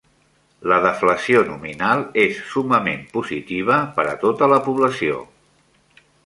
La deflació nominal és summament positiva per a tota la població.